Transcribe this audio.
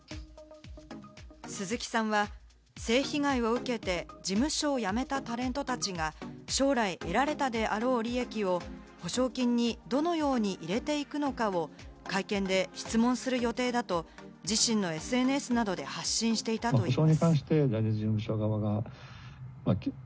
鈴木さんは性被害を受けて事務所を辞めたタレントたちが将来得られたであろう利益を補償金にどのように入れていくのかを会見で質問する予定だと、自身のＳＮＳなどで発信していたといいます。